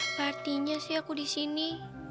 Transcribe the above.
apa artinya sih aku di sini